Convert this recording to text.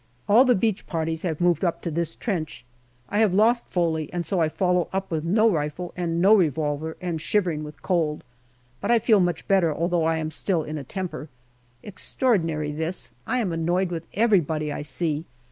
All the beach parties have moved up to this trench. I have lost Foley, and so I follow up with no rifle and no revolver, and shivering with cold. But I feel much better, although I am still in a temper. Extraordinary this ! I am annoyed with everybody I see.